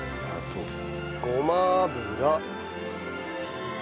ごま油。